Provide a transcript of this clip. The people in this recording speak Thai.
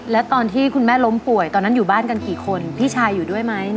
แล้วตอนที่คุณแม่ล้มป่วยตอนนั้นอยู่บ้านกันกี่คนพี่ชายอยู่ด้วยไหม